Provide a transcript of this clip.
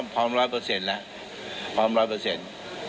พร้อมร้อยเปอร์เซ็นต์แล้วพร้อมร้อยเปอร์เซ็นต์